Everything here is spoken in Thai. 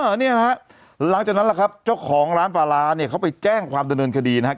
เนี่ยนะฮะหลังจากนั้นล่ะครับเจ้าของร้านปลาร้าเนี่ยเขาไปแจ้งความดำเนินคดีนะครับ